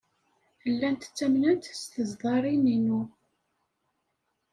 Llant ttamnent s teẓdarin-inu.